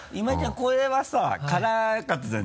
これはさ辛かったじゃん